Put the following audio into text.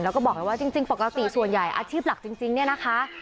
แล้วก็บอกเลยว่าจริงปกติส่วนใหญ่อาชีพหลักจริงเนี่ยนะคะ